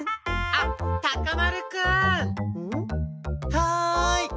はい！